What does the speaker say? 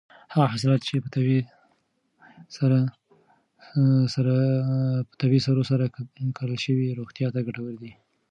هغه حاصلات چې په طبیعي سرو سره کرل شوي روغتیا ته ګټور دي.